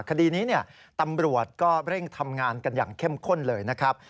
คดีนี้ตำรวจก็เร่งทำงานกันอย่างเข้มข้นเลยนะครับ